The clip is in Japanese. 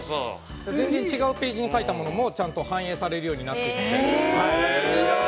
◆違うページに書いたものもちゃんと反映されるようになっていて。